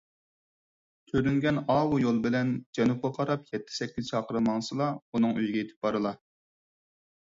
كۆرۈنگەن ئاۋۇ يول بىلەن جەنۇبقا قاراپ يەتتە - سەككىز چاقىرىم ماڭسىلا، ئۇنىڭ ئۆيىگە يېتىپ بارىلا.